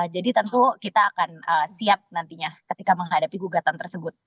jadi tentu kita akan siap nantinya ketika menghadapi gugatan tersebut